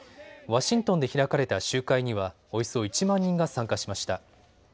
ワシントンで開かれた集会にはおよそ１万人が参加しました。